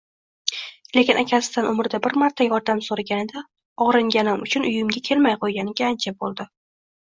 Lekin akasidan umrida bir marta yordam soʻraganida ogʻringanim uchun uyimga kelmay qoʻyganiga ancha boʻldi